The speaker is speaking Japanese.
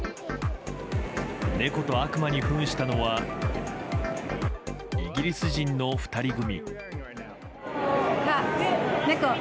猫と悪魔に扮したのはイギリス人の２人組。